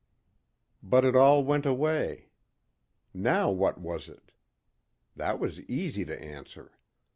But it all went away. Now what was it? That was easy to answer.